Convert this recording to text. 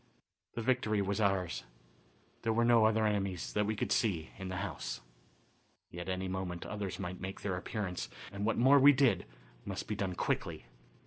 The victory was ours. There were no other enemies, that we could see, in the house. Yet at any moment others might make their appearance, and what more we did must be done quickly.